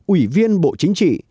ủy viên bộ chính trị